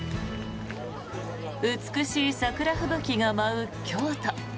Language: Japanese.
美しい桜吹雪が舞う京都。